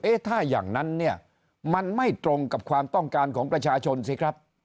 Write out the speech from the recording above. ถ้าอย่างนั้นเนี่ยมันไม่ตรงกับความต้องการของประชาชนสิครับ